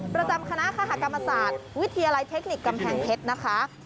ประจำคณะคกรรมศาสตร์วิทยาลัยเทคนิคกำแพงเพชรนะคะ